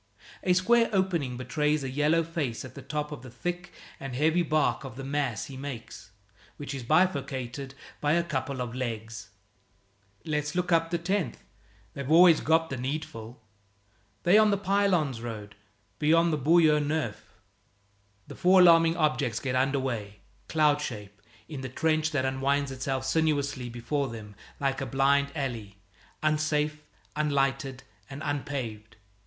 A square opening betrays a yellow face at the top of the thick and heavy bark of the mass he makes, which is bifurcated by a couple of legs. "Let's look up the 10th. They've always got the needful. They're on the Pylones road, beyond the Boyau Neuf." The four alarming objects get under way, cloud shape, in the trench that unwinds itself sinuously before them like a blind alley, unsafe, unlighted, and unpaved.